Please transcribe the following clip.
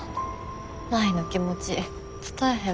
舞の気持ち伝えへん